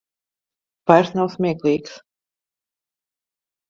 Vairs nav smieklīgs.